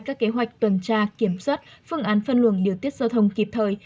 các kế hoạch tuần tra kiểm soát phương án phân luồng điều tiết giao thông kịp thời